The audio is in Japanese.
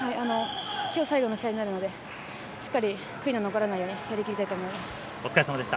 今日最後の試合になるので、しっかり悔いの残らないようにしっかりやりたいと思いお疲れ様でした。